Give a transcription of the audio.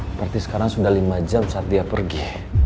seperti sekarang sudah lima jam saat dia pergi